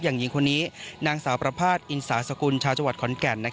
อย่างนี้คนนี้นางสาวประพาทอินสาสกุลชาวจัวร์ขอนแก่นนะครับ